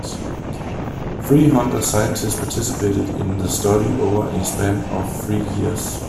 Three hundred scientists participated in the study over a span of three years.